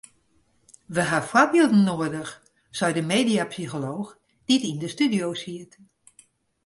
We ha foarbylden noadich sei de mediapsycholooch dy't yn de studio siet.